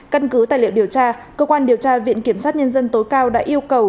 căn cứ tài liệu điều tra cơ quan điều tra viện kiểm sát nhân dân tối cao đã yêu cầu